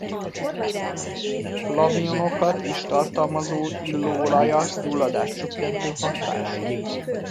Flavonoidokat is tartalmazó illóolaja gyulladáscsökkentő hatású.